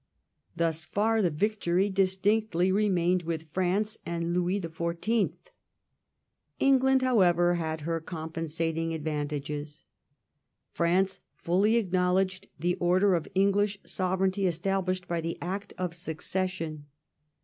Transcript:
Thus far the victory distinctly remained with France and Louis the Fourteenth. England, however, had her com pensating advantages. France fully acknowledged the order of English sovereignty established by the Act of Succession.